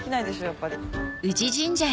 やっぱり。